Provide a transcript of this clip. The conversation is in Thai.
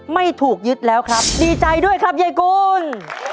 ไม่ถูกยึดแล้วครับดีใจด้วยครับยายกุล